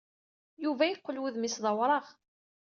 Yuba yeqqel wudem-is d awraɣ.